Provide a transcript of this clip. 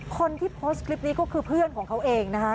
คนที่โพสต์คลิปนี้ก็คือเพื่อนของเขาเองนะคะ